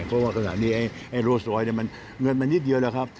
เพราะว่าขณะนี้โรสบรอยซ์มันเงินมานิดเยอะแล้วครับ